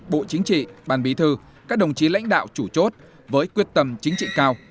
bộ chính trị ban bí thư các đồng chí lãnh đạo chủ chốt với quyết tâm chính trị cao